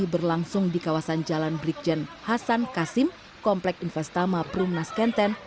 berlangsung di kawasan jalan brikjen hasan kasim komplek investama perumnas kenten